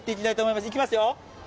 いきますよ。